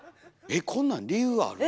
えっこんなん理由ある？